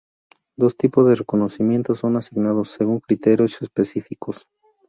Dos tipo de reconocimientos son asignados, según criterios específicos.